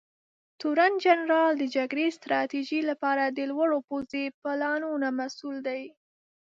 تورنجنرال د جګړې ستراتیژۍ لپاره د لوړو پوځي پلانونو مسوول دی.